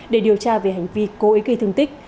để điều tra về hành vi cố ý gây thương tích